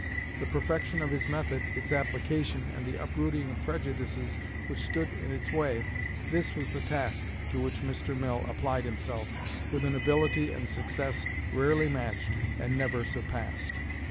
The perfection of his method, its application, and the uprooting of prejudices which stood in its way, this was the task to which Mr. Mill applied himself with an ability and success rarely matched and never surpassed.